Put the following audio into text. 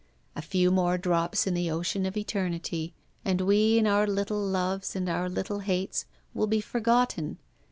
A few more drops in the ocean of eternity, and we and our little loves and little hates will be forgotten.